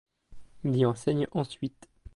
Il y enseigne ensuite.